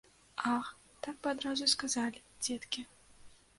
Ах, так бы адразу і сказалі, дзеткі!